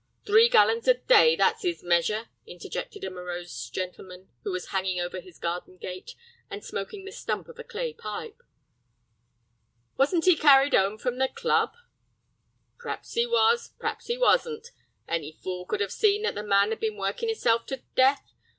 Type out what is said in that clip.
"Three gallons a day, that's 'is measure," interjected a morose gentleman, who was hanging over his garden gate and smoking the stump of a clay pipe. "Wasn't 'e carried 'ome from the club?" "P'r'aps 'e was, p'r'aps 'e wasn't. Any fool could 'ave seen that the man 'ad been workin' hisself to death.